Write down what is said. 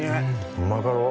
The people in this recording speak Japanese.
うまかろう？